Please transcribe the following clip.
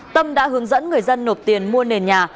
tâm đã hướng dẫn người dân nộp tiền mua nền nhà